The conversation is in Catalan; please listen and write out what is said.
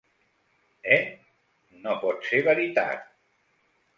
Eh?: no pot ser veritat!